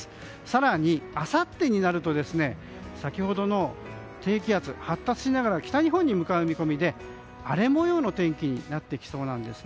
更に、あさってになると先ほどの低気圧が発達しながら北日本に向かう見込みで荒れ模様の天気になってきそうです。